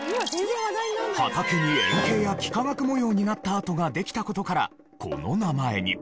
畑に円形や幾何学模様になった跡ができた事からこの名前に。